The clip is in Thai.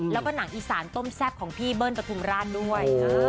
แล้วก็หนังอีสานต้มแซ่บของพี่เบิ้ลปฐุมราชด้วย